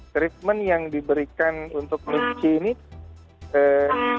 treatment yang diberikan untuk mischi ini kurang begitu